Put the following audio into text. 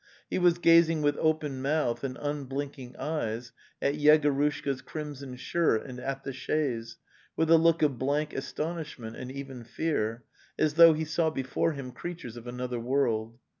He was gazing with open mouth and unblinking eyes at Yegorushka's crimson shirt and at the chaise, with a look of blank aston ishment and even fear, as though he saw before him creatures of another world.